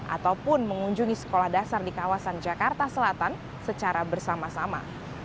ataupun mengunjungi sekolah dasar di kawasan jakarta selatan secara bersama sama